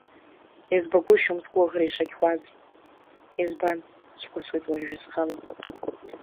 Избагәышьом сгәыӷра ишықьуаз, избан, схәыцуеит уажәы схала.